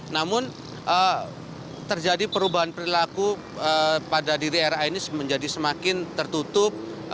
namun terjadi perubahan perilaku pada diri ra ini menjadi semakin tertutup